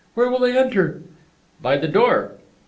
Where will they enter?" "By the door."